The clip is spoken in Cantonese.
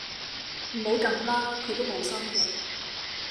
唔好咁啦，佢都冇心嘅